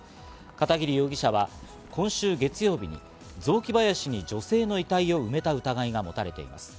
片桐容疑者は今週月曜日に雑木林に女性の遺体を埋めた疑いが持たれています。